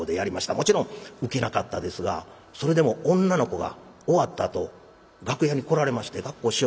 もちろんウケなかったですがそれでも女の子が終わったあと楽屋に来られまして「学光師匠